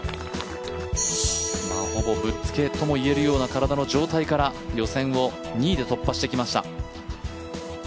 ほぼぶっつけともいえるような体の状態から予選を２位で突破してきました。